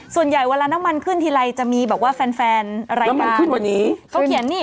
ส่วนใหญ่เวลาน้ำมันขึ้นทีไรจะมีแบบว่าแฟนรายการ